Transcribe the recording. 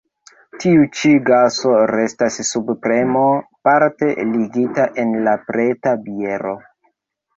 Tiu ĉi gaso restas sub premo parte ligita en la preta biero.